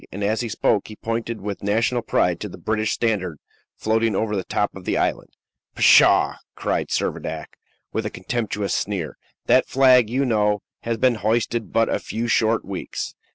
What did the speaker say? and, as he spoke, he pointed with national pride to the British standard floating over the top of the island. "Pshaw!" cried Servadac, with a contemptuous sneer; "that flag, you know, has been hoisted but a few short weeks."